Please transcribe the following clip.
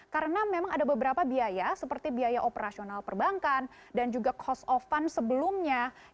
karena memang ada beberapa biaya seperti biaya operasional perbankan dan juga cost of fund sebelumnya